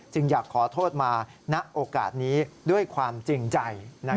อยากขอโทษมาณโอกาสนี้ด้วยความจริงใจ